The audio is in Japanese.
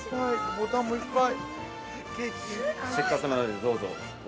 ボタンもいっぱい。